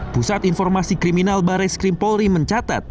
pusat informasi kriminal baris krimpolri mencatat